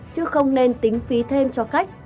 chứ không nên tính phí thêm cho khách